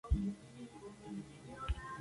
Bajó a Extremadura más de cincuenta años seguidos.